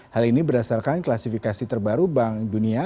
hal ini berdasarkan klasifikasi terbaru bank dunia